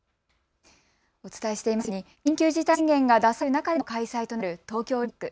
お伝えしていますように緊急事態宣言が出される中での開催となる東京オリンピック。